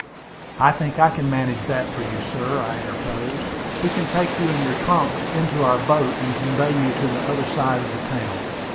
"I think I can manage that for you, sir," I interposed. "We can take you and your trunks into our boat, and convey you to the other side of the town."